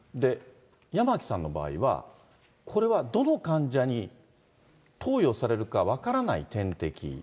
八巻さんの場合は、これはどの患者に投与されるか分からない点滴。